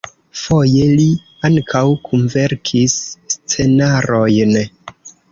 Foje li ankaŭ kunverkis scenarojn.